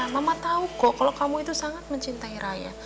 mama tahu kok kalau kamu itu sangat mencintai raya